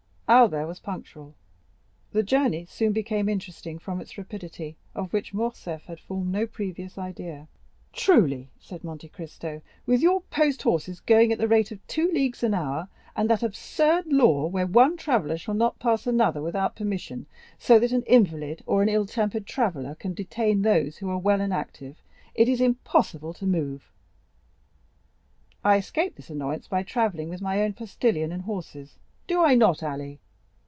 Albert was punctual. The journey soon became interesting from its rapidity, of which Morcerf had formed no previous idea. "Truly," said Monte Cristo, "with your post horses going at the rate of two leagues an hour, and that absurd law that one traveller shall not pass another without permission, so that an invalid or ill tempered traveller may detain those who are well and active, it is impossible to move; I escape this annoyance by travelling with my own postilion and horses; do I not, Ali?"